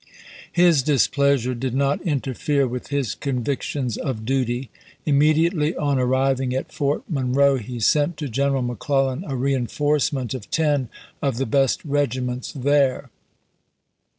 His displeasure did not p^so?. " interfere with his convictions of duty. Imme diately on arriving at Fort Monroe he sent to Gen eral McClellan a reenforcement of ten of the best regiments there.